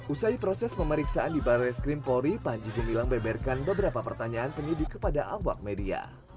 usai proses pemeriksaan di barres krim polri panji gumilang beberkan beberapa pertanyaan penyidik kepada awak media